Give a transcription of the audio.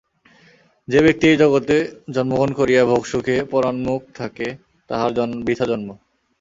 যে ব্যক্তি এই জগতে জন্মগ্রহণ করিয়া ভোগসুখে পরাঙ্মুখ থাকে তাহার বৃথা জন্ম।